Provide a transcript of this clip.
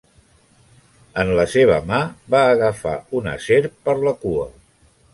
En la seva mà, va agafar una serp per la cua.